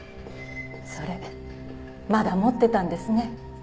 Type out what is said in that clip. それまだ持ってたんですね。